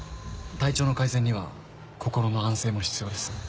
体調の改善には心の安静も必要です。